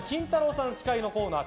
さん司会のコーナー